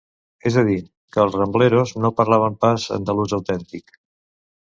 És a dir, que els Rambleros no parlaven pas andalús autèntic.